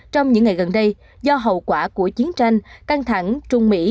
trong những ngày gần đây do hậu quả của chiến tranh căng thẳng trung mỹ